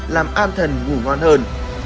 làm an thần ngủ ngon hơn